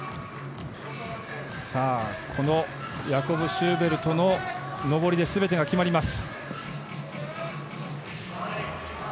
ヤコブ・シューベルトの登りで全てが決まります。